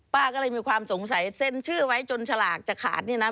ป้าก็เลยมีความสงสัยเซ็นชื่อไว้จนฉลากจะขาดนี่นะ